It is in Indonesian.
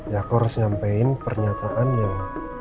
ya kau harus nyampein pernyataan yang